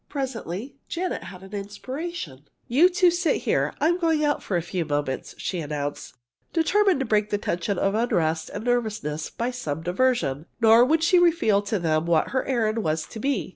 Presently Janet had an inspiration. "You two sit here. I'm going out for a few moments," she announced, determined to break the tension of unrest and nervousness by some diversion. Nor would she reveal to them what her errand was to be.